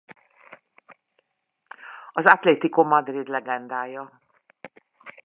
Az Atlético Madrid legendája.